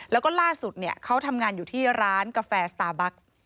แล้วก็ล่าสุดเขาทำงานอยู่ที่ร้านกาแฟสตาร์บัค